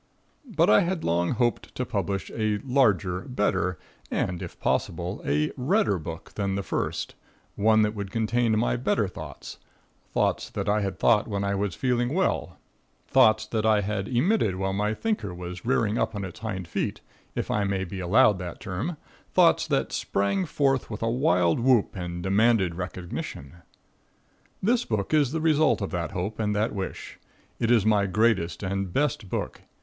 But I had long hoped to publish a larger, better and, if possible, a redder book than the first; one that would contain my better thoughts, thoughts that I had thought when I was feeling well; thoughts that I had emitted while my thinker was rearing up on its hind feet, if I may be allowed that term; thoughts that sprang forth with a wild whoop and demanded recognition. This book is the result of that hope and that wish. It is my greatest and best book.